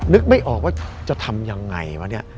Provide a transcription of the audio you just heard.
นึกไม่ออกว่าจะทำยังไงวะเนี่ย